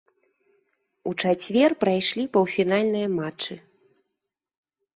У чацвер прайшлі паўфінальныя матчы.